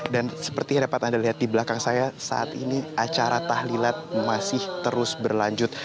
dan seperti yang dapat anda lihat di belakang saya saat ini acara tahlilat masih terus berlanjut